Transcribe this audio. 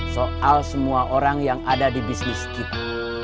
soal semua orang yang ada di bisnis kita